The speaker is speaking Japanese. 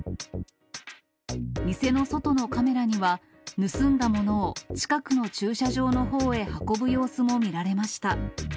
店の外のカメラには、盗んだものを近くの駐車場のほうへ運ぶ様子も見られました。